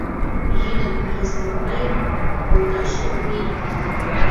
Йӱдым арестовайымым колташ ок лий!